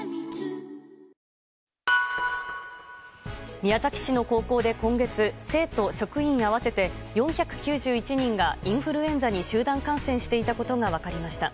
宮崎市の高校で今月生徒・職員合わせて４９１人がインフルエンザに集団感染していたことが分かりました。